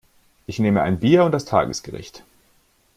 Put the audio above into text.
Ich nehme ein Bier und das Tagesgericht.